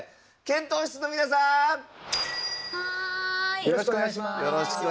よろしくお願いします！